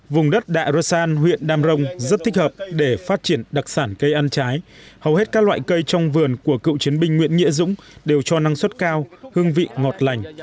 vùng đất đạ rơ san huyện đam rồng rất thích hợp để phát triển đặc sản cây ăn trái hầu hết các loại cây trong vườn của cựu chiến binh nguyễn nghĩa dũng đều cho năng suất cao hương vị ngọt lành